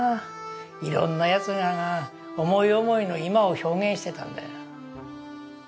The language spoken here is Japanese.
いろんなヤツらが思い思いの今を表現してたんだよ。